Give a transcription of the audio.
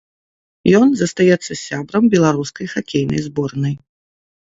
Ён застаецца сябрам беларускай хакейнай зборнай.